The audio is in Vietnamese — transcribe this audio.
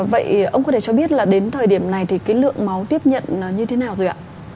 vậy ông có thể cho biết là đến thời điểm này thì cái lượng máu tiếp nhận như thế nào rồi ạ